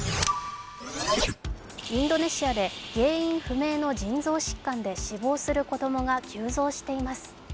インドネシアで原因不明の腎臓疾患で死亡する子供が急増しています。